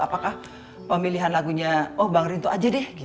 apakah pemilihan lagunya oh bang rinto aja deh